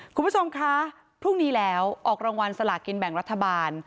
คุณผู้ชมคะพรุ่งนี้แล้วออกรางวัลสลากินแบ่งรัฐบาล